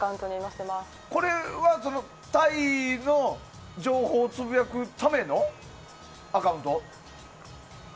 これはタイの情報をつぶやくためのアカウント？